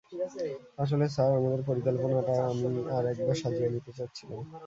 আসলে, স্যার, আমাদের পরিকল্পনাটা আমি আর একবার সাজিয়ে নিতে চাচ্ছিলাম।